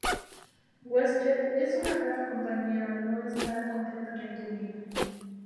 WestJet es una rara compañía al no estar completamente unida.